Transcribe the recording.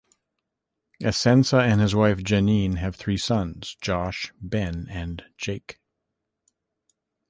Essensa and his wife Jeanine have three sons, Josh, Ben and Jake.